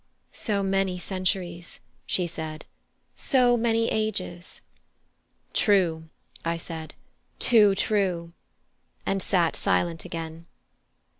"So many centuries," she said, "so many ages!" "True," I said; "too true," and sat silent again.